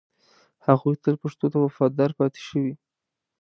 هغوی تل پښتو ته وفادار پاتې شوي